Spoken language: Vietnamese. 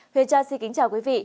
huyền tra xin kính chào quý vị